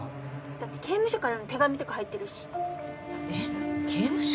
だって刑務所からの手紙とか入ってるしえっ刑務所？